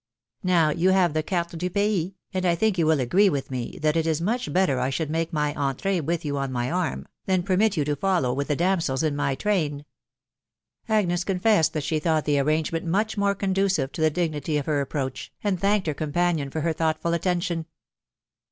Now you have the carte du pay*, and I think yon will agree with me, that it is much better I should make my entree with you on my arm, than permit you to follow with the damsels in my train." Agnes confessed that she thought the arrangement much more conducive to the dignity of her approach, and thanked ^er companion for her thoughtful attention.